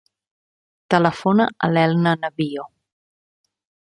Telefona a l'Elna Navio.